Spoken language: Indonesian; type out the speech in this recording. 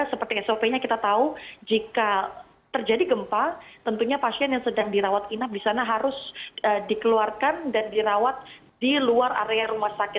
seperti sop nya kita tahu jika terjadi gempa tentunya pasien yang sedang dirawat inap di sana harus dikeluarkan dan dirawat di luar area rumah sakit